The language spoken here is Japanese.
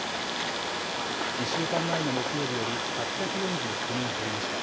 １週間前の木曜日より８４９人減りました。